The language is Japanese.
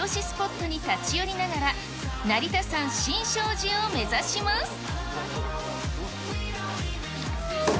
スポットに立ち寄りながら、成田山新勝寺を目指します。